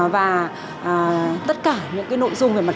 và tất cả những cái nội dung về mặt